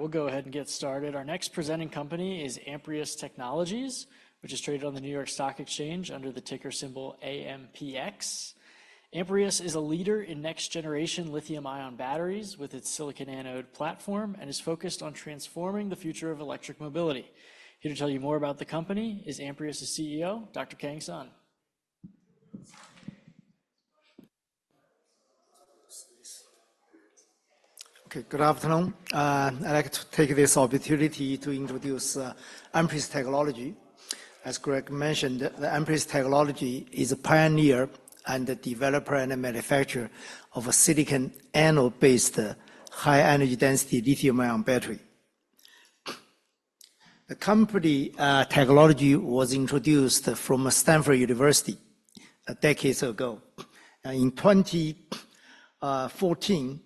All right, we'll go ahead and get started. Our next presenting company is Amprius Technologies, which is traded on the New York Stock Exchange under the ticker symbol AMPX. Amprius is a leader in next-generation lithium-ion batteries with its silicon anode platform, and is focused on transforming the future of electric mobility. Here to tell you more about the company is Amprius's CEO, Dr. Kang Sun. Okay, good afternoon. I'd like to take this opportunity to introduce Amprius Technologies. As Greg mentioned, the Amprius Technologies is a pioneer and a developer and a manufacturer of a silicon anode-based, high-energy density lithium-ion battery. The company technology was introduced from Stanford University decades ago. In twenty fourteen,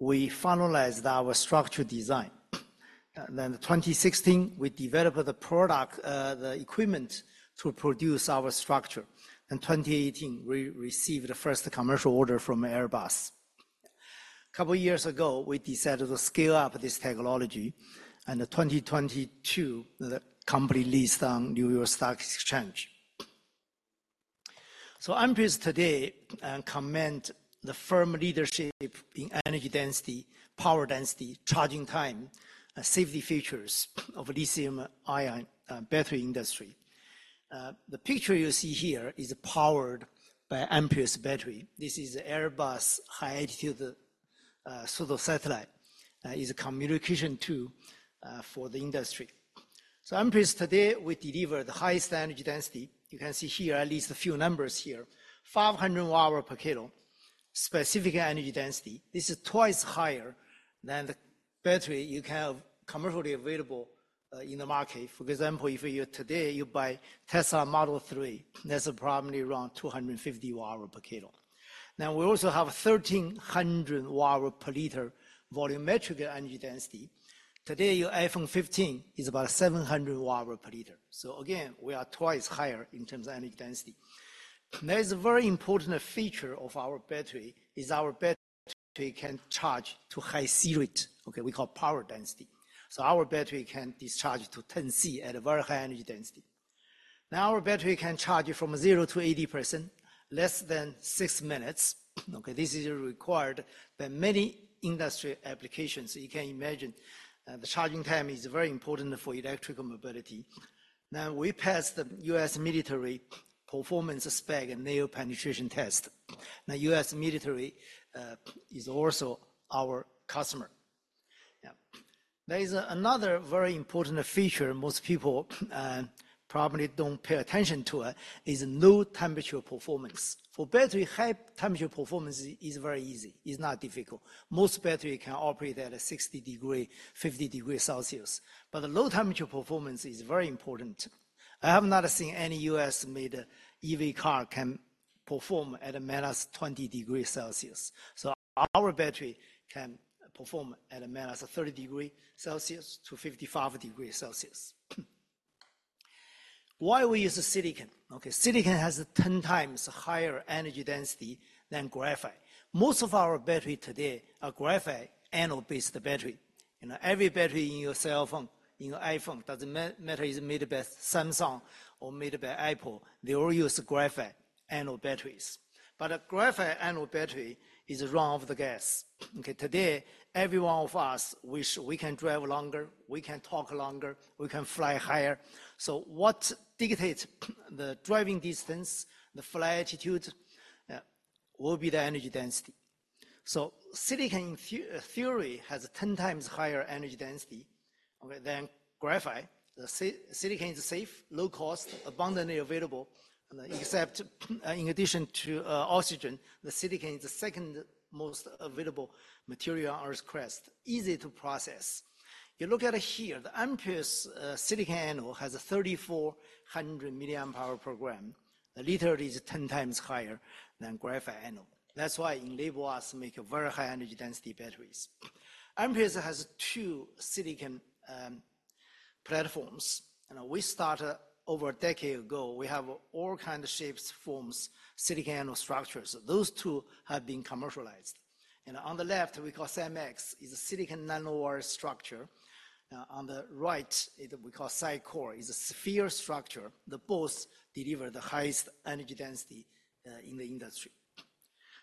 we finalized our structure design. Then twenty sixteen, we developed the product, the equipment to produce our structure. In twenty eighteen, we received the first commercial order from Airbus. A couple years ago, we decided to scale up this technology, and in twenty twenty-two, the company listed on New York Stock Exchange. Amprius today commands the firm leadership in energy density, power density, charging time, safety features of lithium-ion battery industry. The picture you see here is powered by Amprius battery. This is Airbus high-altitude pseudo-satellite. It is a communication tool for the industry. So Amprius today, we deliver the highest energy density. You can see here at least a few numbers here, 500 watt-hour per kilo, specific energy density. This is twice higher than the battery you have commercially available in the market. For example, if you today buy Tesla Model 3, that's probably around 250 watt-hour per kilo. Now, we also have 1,300 watt-hour per liter volumetric energy density. Today, your iPhone 15 is about 700 watt-hour per liter. So again, we are twice higher in terms of energy density. There is a very important feature of our battery: our battery can charge to high C-rate. Okay, we call power density. So our battery can discharge to 10 C at a very high energy density. Now, our battery can charge from 0% to 80%, less than 6 minutes, okay? This is required by many industry applications. You can imagine, the charging time is very important for electrical mobility. Now, we passed the US military performance spec and nail penetration test. The US military is also our customer. Yeah. There is another very important feature most people probably don't pay attention to is low-temperature performance. For battery, high-temperature performance is very easy, is not difficult. Most battery can operate at 60 degrees, 50 degrees Celsius, but the low-temperature performance is very important. I have not seen any US-made EV car can perform at minus 20 degrees Celsius. So our battery can perform at minus 30 degrees Celsius to 55 degrees Celsius. Why we use silicon? Okay, silicon has 10 times higher energy density than graphite. Most of the batteries today are graphite anode-based batteries. You know, every battery in your cell phone, in your iPhone, doesn't matter if it's made by Samsung or made by Apple, they all use graphite anode batteries. But a graphite anode battery is run-of-the-mill. Okay, today, every one of us, we can drive longer, we can talk longer, we can fly higher. So what dictates the driving distance, the flight altitude, will be the energy density. So silicon in theory has a ten times higher energy density, okay, than graphite. The silicon is safe, low cost, abundantly available, except, in addition to oxygen, the silicon is the second most available material on Earth's crust, easy to process. You look at here, the Amprius silicon anode has a 3,400 milliamp hour per gram. literally is ten times higher than graphite anode. That's why enable us to make a very high energy density batteries. Amprius has two silicon platforms. You know, we started over a decade ago. We have all kind of shapes, forms, silicon anode structures. Those two have been commercialized. And on the left, we call SiMaxx, is a silicon nanowire structure. On the right, we call SiCore, is a sphere structure. They both deliver the highest energy density in the industry.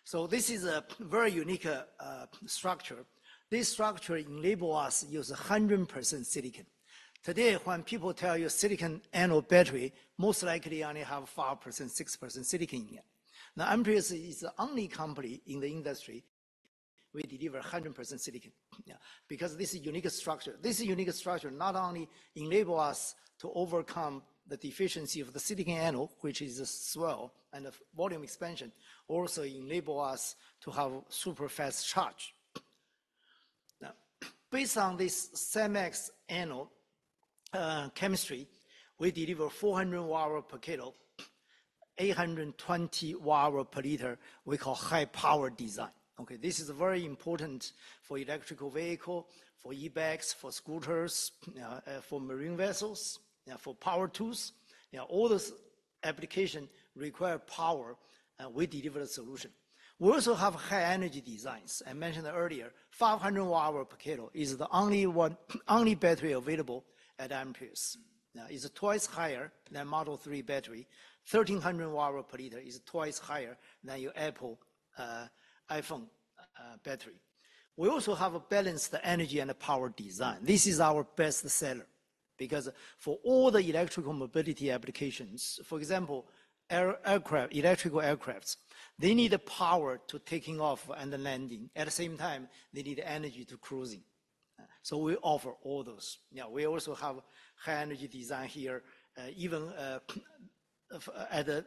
So this is a very unique structure. This structure enable us to use 100% silicon. Today, when people tell you silicon anode battery, most likely only have 5%, 6% silicon in it. Now, Amprius is the only company in the industry we deliver 100% silicon, yeah, because this is unique structure. This unique structure not only enable us to overcome the deficiency of the silicon anode, which is the swell and the volume expansion, also enable us to have super fast charge. Now, based on this SiMaxx anode chemistry, we deliver 400 watt-hour per kilo, 820 watt-hour per liter, we call high-power design. Okay, this is very important for electric vehicle, for e-bikes, for scooters, for marine vessels, for power tools. You know, all those applications require power, we deliver the solution. We also have high energy designs. I mentioned earlier, 500 watt-hour per kilo is the only one, only battery available at Amprius. Now, is twice higher than Model 3 battery. 1,300 watt-hour per liter is twice higher than your Apple iPhone battery. We also have a balanced energy and a power design. This is our best seller, because for all the electrical mobility applications, for example, aircraft, electrical aircrafts, they need the power to taking off and the landing. At the same time, they need energy to cruising. So we offer all those. Now, we also have high energy design here, even at a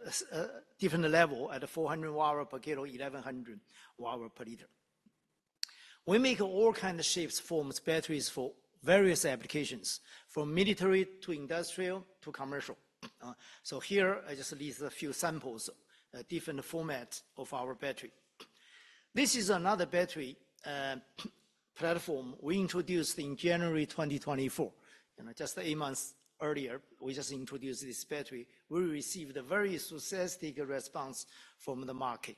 different level, at a 400 watt-hour per kilo, 1,100 watt-hour per liter. We make all kind of shapes, forms, batteries for various applications, from military to industrial to commercial. So here I just list a few samples, different formats of our battery. This is another battery platform we introduced in January 2024. You know, just eight months earlier, we just introduced this battery. We received a very successful response from the market.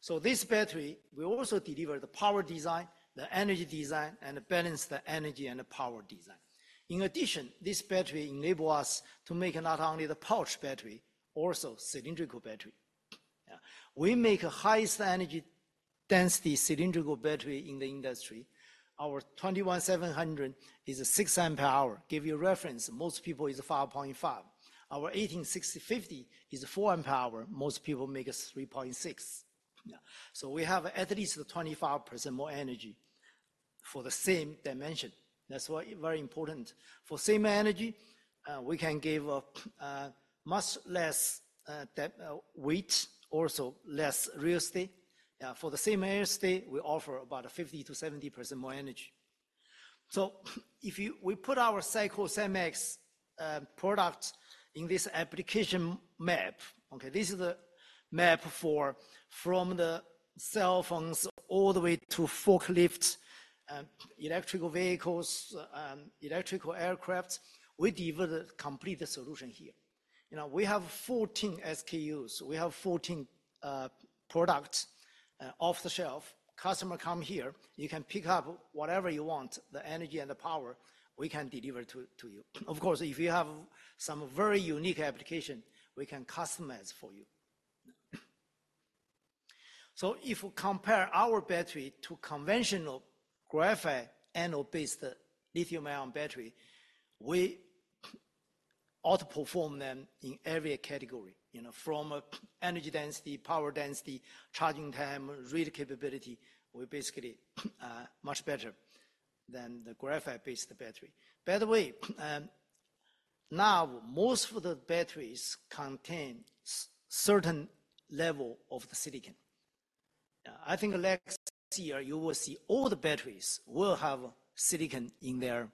So this battery will also deliver the power design, the energy design, and balance the energy and the power design. In addition, this battery enable us to make not only the pouch battery, also cylindrical battery. We make the highest energy density cylindrical battery in the industry. Our 21700 is a 6 amp hour. Give you a reference, most people is a 5.5. Our 18650 is a 4 amp hour. Most people make a 3.6. So we have at least 25% more energy for the same dimension. That's why very important. For same energy, we can give much less weight, also less real estate. For the same real estate, we offer about a 50% to 70% more energy. So if you, we put our SiMaxx product in this application map. Okay, this is the map for from the cell phones all the way to forklifts, electric vehicles, electric aircraft. We deliver the complete solution here. You know, we have 14 SKUs. We have 14 products off the shelf. Customer come here, you can pick up whatever you want, the energy and the power we can deliver to you. Of course, if you have some very unique application, we can customize for you. So if you compare our battery to conventional graphite anode-based lithium-ion battery, we outperform them in every category, you know, from an energy density, power density, charging time, rate capability. We're basically much better than the graphite-based battery. By the way, now, most of the batteries contain a certain level of the silicon. I think next year you will see all the batteries will have silicon in their,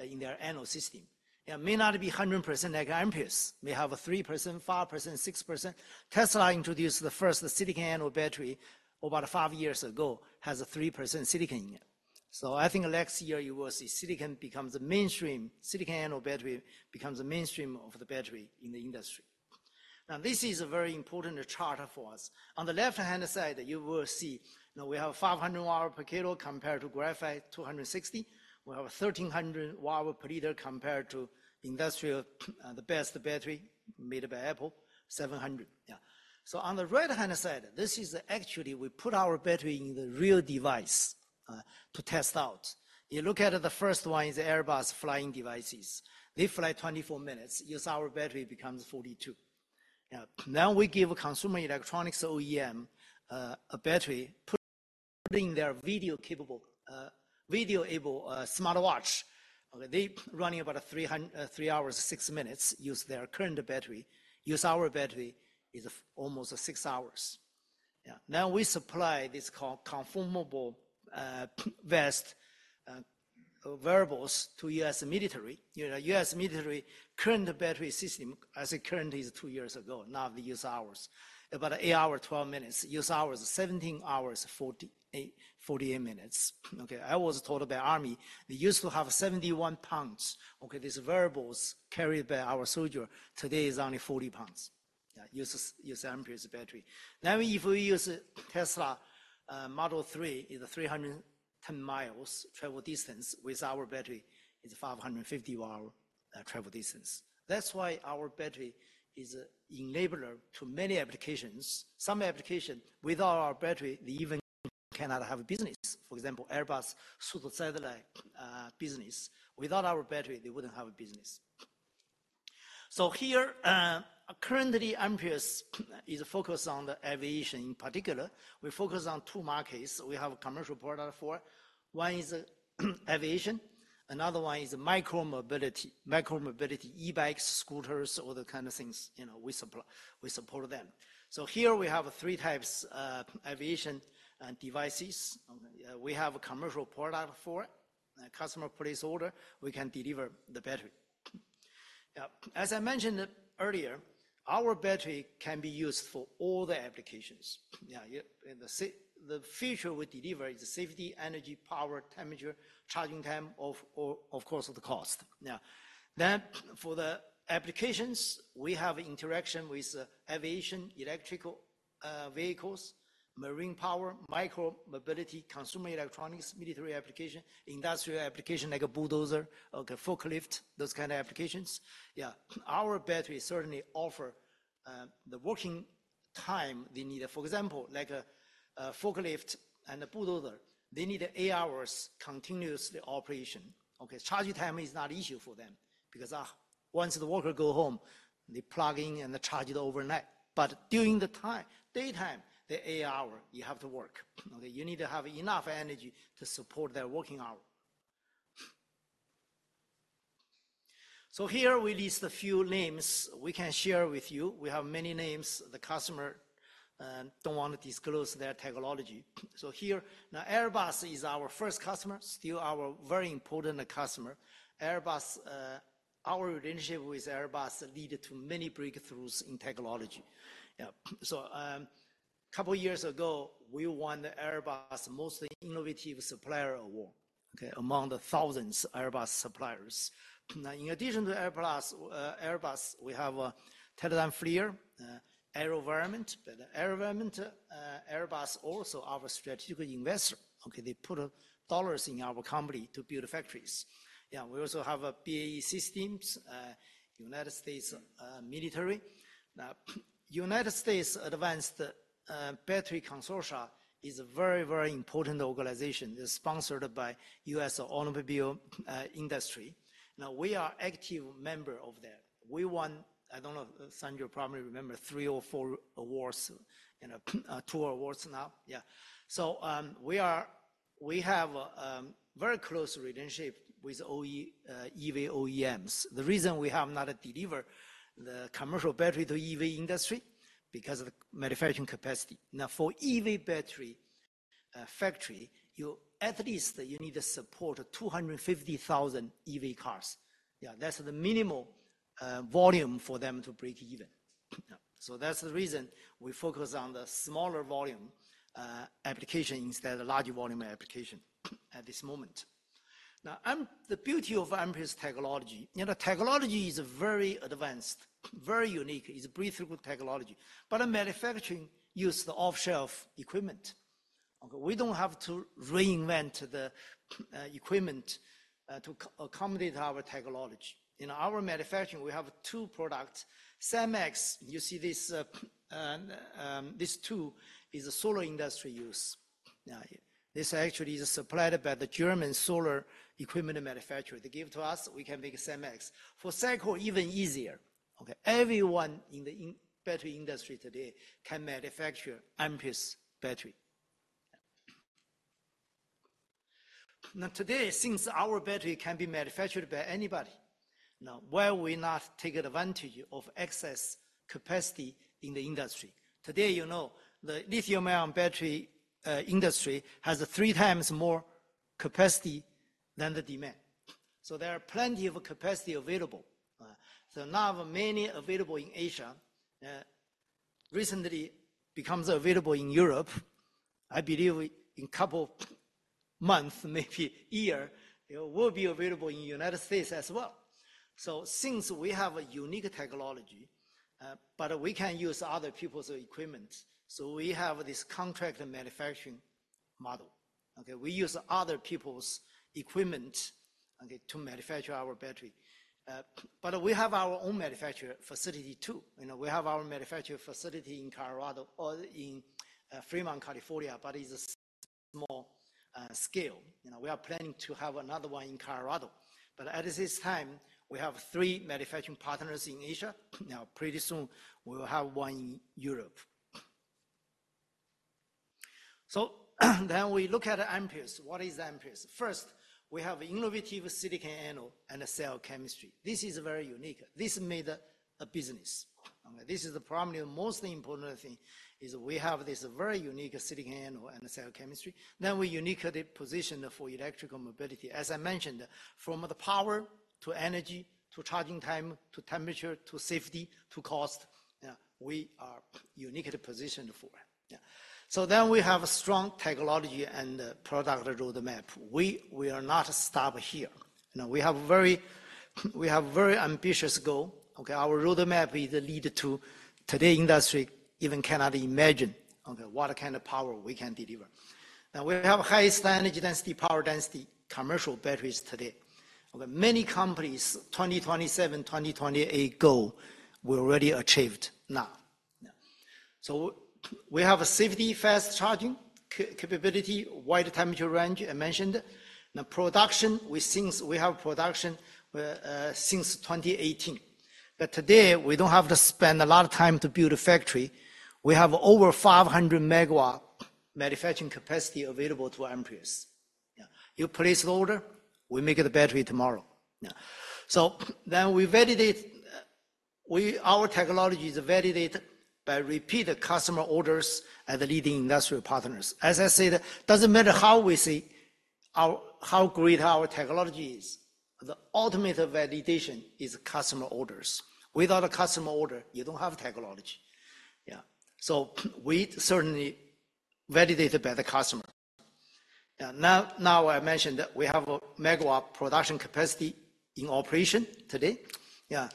in their anode system. It may not be 100% like Amprius. May have a 3%, 5%, 6%. Tesla introduced the first silicon anode battery about five years ago, has a 3% silicon in it. So I think next year you will see silicon becomes the mainstream. Silicon anode battery becomes the mainstream of the battery in the industry. Now, this is a very important chart for us. On the left-hand side, you will see, you know, we have 500 watt-hour per kilo, compared to graphite, 260. We have a 1,300 watt-hour per liter, compared to industrial, the best battery made by Apple, 700. On the right-hand side, this is actually, we put our battery in the real device to test out. You look at the first one is the Airbus flying devices. They fly 24 minutes. Use our battery, becomes 42. Now, we give a consumer electronics OEM a battery, putting their video capable video-able smartwatch. Okay, they running about three hours, six minutes, use their current battery. Use our battery, is almost six hours. Yeah. Now, we supply this called conformal vest wearables to US military. You know, US military current battery system, as it currently is two years ago, now they use ours, about eight hours, 12 minutes. Use ours, 17 hours, 48 minutes. Okay, I was told by army, they used to have 71 pounds. Okay, these wearables carried by our soldier, today is only 40 pounds. Yeah, uses Amprius battery. Now, if we use Tesla Model 3 is a 310-mile travel distance. With our battery, is 550-mile travel distance. That's why our battery is enabler to many applications. Some application, without our battery, they even cannot have a business. For example, Airbus super satellite business. Without our battery, they wouldn't have a business. So here, currently, Amprius is focused on the aviation in particular. We focus on two markets we have a commercial product for. One is aviation, another one is micro mobility. Micro mobility, e-bikes, scooters, all the kind of things, you know, we supply - we support them. So here we have three types aviation devices. We have a commercial product for. Customer place order, we can deliver the battery. As I mentioned earlier. Our battery can be used for all the applications. Yeah, yeah, and the feature we deliver is the safety, energy, power, temperature, charging time, or of course, the cost. Now, then, for the applications, we have interaction with aviation, electrical vehicles, marine power, micro-mobility, consumer electronics, military application, industrial application, like a bulldozer, okay, forklift, those kind of applications. Yeah, our battery certainly offer the working time they need. For example, like a forklift and a bulldozer, they need eight hours continuously operation, okay? Charging time is not an issue for them because once the worker go home, they plug in and they charge it overnight. But during the time, daytime, the eight hour, you have to work. Okay, you need to have enough energy to support their working hour. So here we list a few names we can share with you. We have many names. The customer don't want to disclose their technology. So here, Airbus is our first customer, still our very important customer. Airbus, our relationship with Airbus led to many breakthroughs in technology. So, couple years ago, we won the Airbus Most Innovative Supplier Award, among the thousands Airbus suppliers. Now, in addition to Airbus, we have Teledyne FLIR, AeroVironment. Airbus also our strategic investor. Okay, they put dollars in our company to build factories. We also have BAE Systems, United States military. Now, United States Advanced Battery Consortium is a very, very important organization. It's sponsored by US automobile industry. Now, we are active member of that. We won, I don't know, Sandra probably remember, three or four awards, you know, two awards now. Yeah. So we are—we have very close relationship with OEM, EV OEMs. The reason we have not delivered the commercial battery to EV industry, because of the manufacturing capacity. Now, for EV battery factory, you at least need to support two hundred and fifty thousand EV cars. Yeah, that's the minimal volume for them to break even. So that's the reason we focus on the smaller volume application instead of larger volume application at this moment. Now, the beauty of Amprius technology, you know, technology is very advanced, very unique. It's a breakthrough technology, but the manufacturing use the off-the-shelf equipment. Okay, we don't have to reinvent the equipment to accommodate our technology. In our manufacturing, we have two products. SiMaxx, you see this, this tool is a solar industry use. Now, this actually is supplied by the German solar equipment manufacturer. They give to us, we can make a SiMaxx. For SiCore, even easier. Okay, everyone in the, in battery industry today can manufacture Amprius battery. Now, today, since our battery can be manufactured by anybody, now, why we not take advantage of excess capacity in the industry? Today, you know, the lithium-ion battery industry has three times more capacity than the demand. So there are plenty of capacity available. So now many available in Asia, recently becomes available in Europe. I believe in couple months, maybe year, it will be available in United States as well. So since we have a unique technology, but we can use other people's equipment, so we have this contract manufacturing model. Okay, we use other people's equipment, okay, to manufacture our battery. But we have our own manufacturing facility too. You know, we have our manufacturing facility in Colorado or in Fremont, California, but it's a small scale. You know, we are planning to have another one in Colorado, but at this time, we have three manufacturing partners in Asia. Now, pretty soon, we will have one in Europe. So, then we look at Amprius. What is Amprius? First, we have innovative silicon anode and cell chemistry. This is very unique. This made a business. Okay, this is probably the most important thing, is we have this very unique silicon anode and cell chemistry. Then we uniquely positioned for electrical mobility. As I mentioned, from the power to energy, to charging time, to temperature, to safety, to cost, we are uniquely positioned for it. Yeah. So then we have a strong technology and product roadmap. We are not stop here. You know, we have very ambitious goal. Okay, our roadmap is lead to today industry even cannot imagine, okay, what kind of power we can deliver. Now, we have highest energy density, power density commercial batteries today. Okay, many companies, 2027, 2028 goal, we already achieved now. Yeah. So we have a safety fast-charging capability, wide temperature range, I mentioned. The production, we have production since 2018. But today, we don't have to spend a lot of time to build a factory. We have over 500 megawatt manufacturing capacity available to Amprius. Yeah, you place order, we make the battery tomorrow. Yeah. So then we validate, our technology is validated by repeat customer orders at the leading industrial partners. As I said, doesn't matter how great our technology is. The ultimate validation is customer orders. Without a customer order, you don't have technology. Yeah. So we certainly validated by the customer. Now, I mentioned that we have a megawatt production capacity in operation today. Yeah,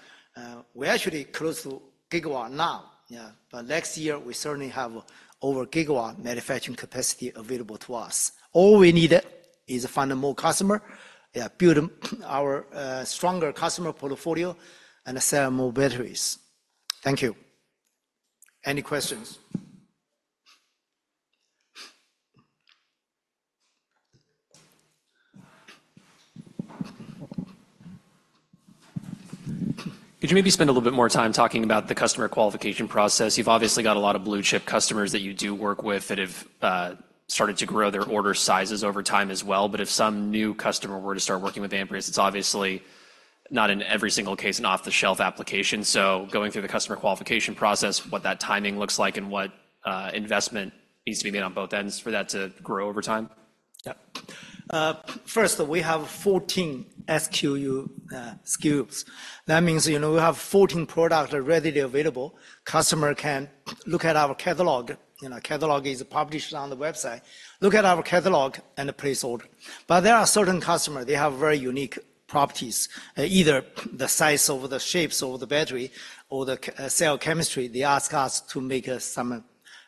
we're actually close to gigawatt now. Yeah, but next year, we certainly have over gigawatt manufacturing capacity available to us. All we need is find more customer, yeah, build our, stronger customer portfolio, and sell more batteries. Thank you. Any questions? Could you maybe spend a little bit more time talking about the customer qualification process? You've obviously got a lot of blue-chip customers that you do work with that have started to grow their order sizes over time as well. But if some new customer were to start working with Amprius, it's obviously not in every single case, an off-the-shelf application. So going through the customer qualification process, what that timing looks like, and what investment needs to be made on both ends for that to grow over time. Yeah. First, we have fourteen SKUs. That means, you know, we have fourteen product readily available. Customer can look at our catalog. You know, catalog is published on the website. Look at our catalog and place order. But there are certain customer, they have very unique properties. Either the size or the shapes of the battery or the cell chemistry, they ask us to make some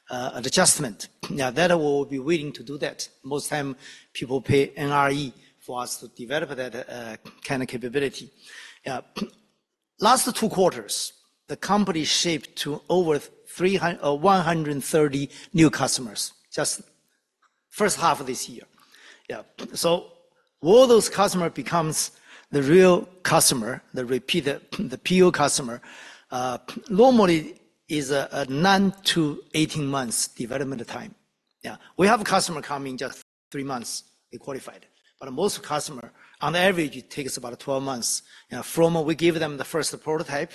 an adjustment. Now, that we will be willing to do that. Most time people pay NRE for us to develop that kind of capability. Yeah. Last two quarters, the company shipped to over one hundred and thirty new customers, just first half of this year. Yeah. So all those customer becomes the real customer, the repeated, the PO customer, normally is a nine to eighteen months development time. Yeah. We have a customer come in just three months, we qualified. But most customer, on average, it takes about 12 months from we give them the first prototype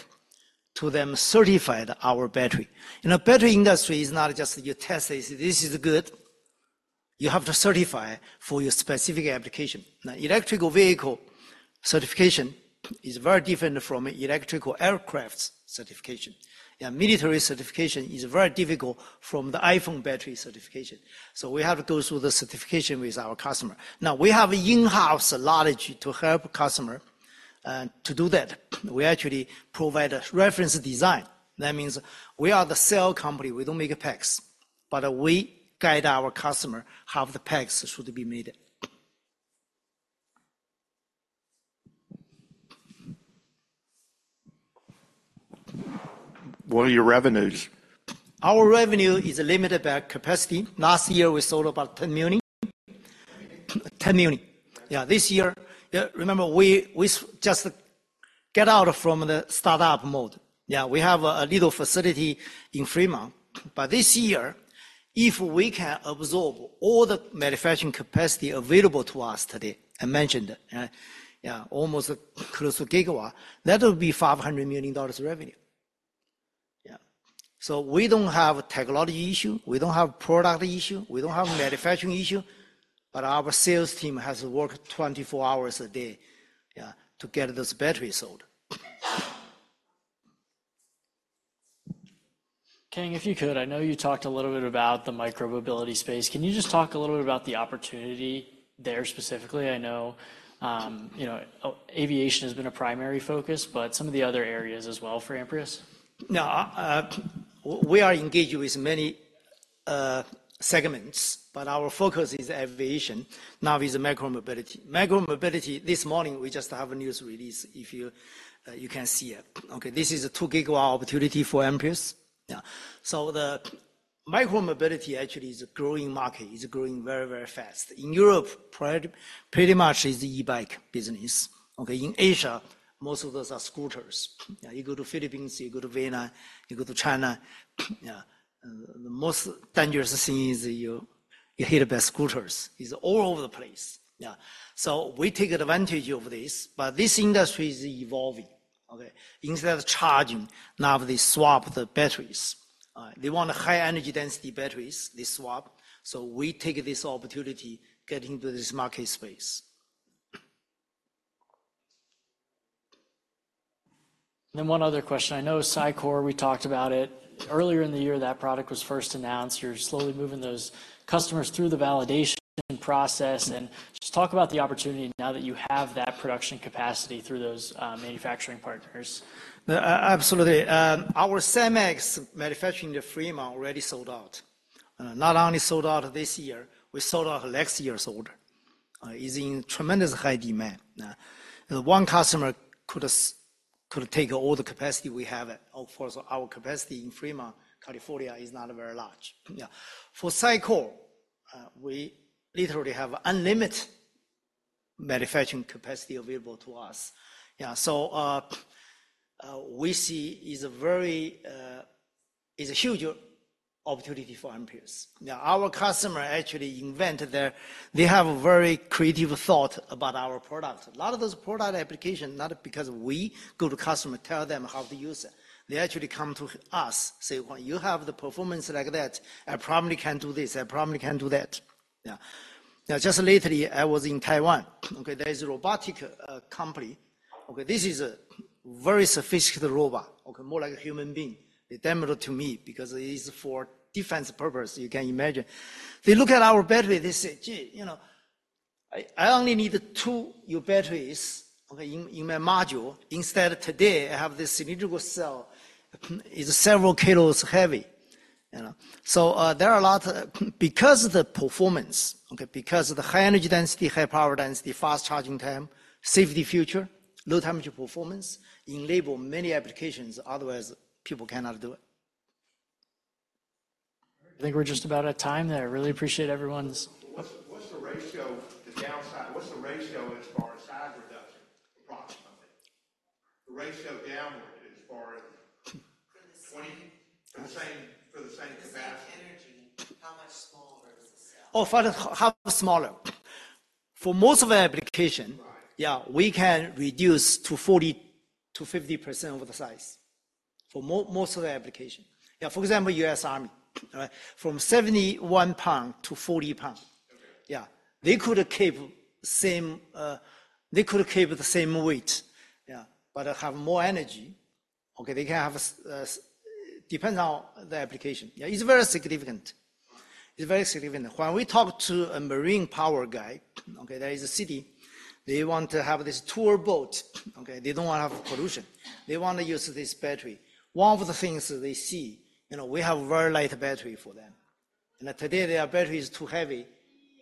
to them certified our battery. You know, battery industry is not just you test it, this is good. You have to certify for your specific application. Now, electric vehicle certification is very different from electric aircraft's certification. Yeah, military certification is very difficult from the iPhone battery certification. So we have to go through the certification with our customer. Now, we have in-house knowledge to help customer to do that. We actually provide a reference design. That means we are the cell company, we don't make packs, but we guide our customer how the packs should be made. What are your revenues? Our revenue is limited by capacity. Last year, we sold about $10 million. Ten million? 10 million. Yeah, this year. Yeah, remember, we just get out from the startup mode. Yeah, we have a little facility in Fremont, but this year, if we can absorb all the manufacturing capacity available to us today, I mentioned, yeah, almost close to gigawatt, that will be $500 million revenue. Yeah. So we don't have technology issue, we don't have product issue, we don't have manufacturing issue, but our sales team has to work 24 hours a day, yeah, to get those batteries sold. Kang, if you could, I know you talked a little bit about the micromobility space. Can you just talk a little bit about the opportunity there, specifically? I know, you know, aviation has been a primary focus, but some of the other areas as well for Amprius. Now, we are engaged with many segments, but our focus is aviation, now with micromobility. Micromobility, this morning, we just have a news release if you can see it. Okay, this is a two gigawatt opportunity for Amprius. Yeah. So the micromobility actually is a growing market, is growing very, very fast. In Europe, pretty much is e-bike business. Okay, in Asia, most of those are scooters. You go to Philippines, you go to Vietnam, you go to China, the most dangerous thing is you hit by scooters. It's all over the place. Yeah. So we take advantage of this, but this industry is evolving. Okay? Instead of charging, now they swap the batteries. They want high energy density batteries, they swap, so we take this opportunity get into this market space. Then one other question. I know SiCore, we talked about it. Earlier in the year, that product was first announced. You're slowly moving those customers through the validation process. And just talk about the opportunity now that you have that production capacity through those manufacturing partners. Absolutely. Our SiMaxx manufacturing in Fremont already sold out. Not only sold out this year, we sold out next year's order. Is in tremendous high demand. One customer could take all the capacity we have. Of course, our capacity in Fremont, California, is not very large. Yeah. For SiCore, we literally have unlimited manufacturing capacity available to us. Yeah, so, we see is a very, is a huge opportunity for Amprius. Now, our customer actually invent they have a very creative thought about our product. A lot of those product application, not because we go to customer, tell them how to use it. They actually come to us, say, "When you have the performance like that, I probably can do this, I probably can do that." Yeah. Now, just lately, I was in Taiwan. Okay, there is a robotic company. Okay, this is a very sophisticated robot, okay? More like a human being. They demoed it to me because it is for defense purpose, you can imagine. They look at our battery, they say, "Gee, you know, I only need two new batteries, okay, in my module. Instead, today, I have this cylindrical cell. It's several kilos heavy," you know? So, there are a lot because of the performance, okay, because of the high energy density, high power density, fast charging time, safety features, low temperature performance, enable many applications, otherwise people cannot do it. I think we're just about out of time there. I really appreciate everyone's- What's the ratio as far as size reduction, approximately? The ratio downward as far as for the same capacity. The same energy, how much smaller is the cell? Oh, for the how smaller? For most of the application- Right. Yeah, we can reduce to 40%-50% of the size for most of the application. Yeah, for example, US Army, from 71 pounds to 40 pounds. Okay. Yeah. They could keep the same weight, yeah, but have more energy. Okay, they can have... Depends on the application. Yeah, it's very significant. It's very significant. When we talk to a marine power guy, okay, there is a city. They want to have this tour boat, okay. They don't want to have pollution. They want to use this battery. One of the things they see, you know, we have very light battery for them. And today, their battery is too heavy,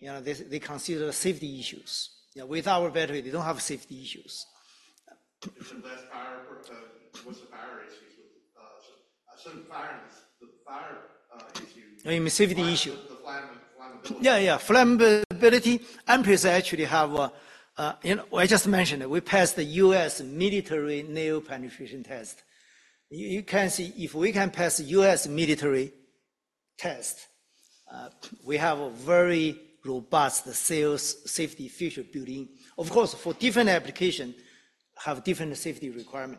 you know, they consider safety issues. You know, with our battery, they don't have safety issues. So less power per. What's the power issues with so certain fires, the fire issues? Oh, you mean safety issue? The flammability. Yeah, yeah, flammability. Amprius actually have a, you know, I just mentioned it. We passed the U.S. military nail penetration test. You can see, if we can pass U.S. military test, we have a very robust cell safety feature built in. Of course, for different application, have different safety requirement.